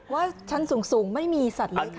ว่าชั้นสูงไม่มีสัตว์เลยค่ะ